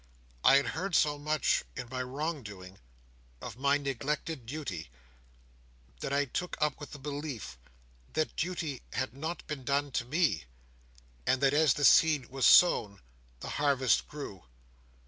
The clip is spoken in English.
I had heard so much, in my wrongdoing, of my neglected duty, that I took up with the belief that duty had not been done to me, and that as the seed was sown, the harvest grew.